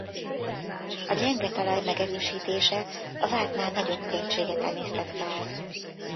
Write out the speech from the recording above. A gyenge talaj megerősítése a vártnál nagyobb költséget emésztett fel.